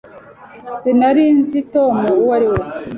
Sinari nzi Tom uwo ari we.